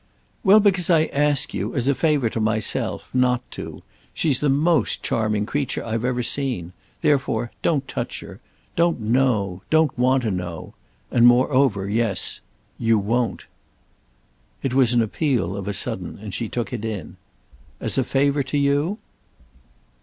"Well, because I ask you, as a favour to myself, not to. She's the most charming creature I've ever seen. Therefore don't touch her. Don't know—don't want to know. And moreover—yes—you won't." It was an appeal, of a sudden, and she took it in. "As a favour to you?"